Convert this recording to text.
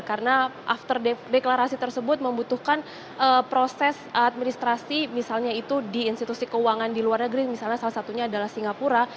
karena after deklarasi tersebut membutuhkan proses administrasi misalnya itu di institusi keuangan di luar negeri misalnya salah satunya adalah singapura